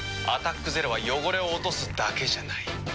「アタックＺＥＲＯ」は汚れを落とすだけじゃない。